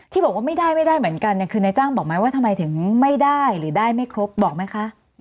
ที่บอกว่าไม่ได้ไม่ได้เหมือนกันเนี่ยคือนายจ้างบอกไหมว่าทำไมถึงไม่ได้หรือได้ไม่ครบบอกไหมคะ